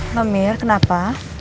mbak mir kenapa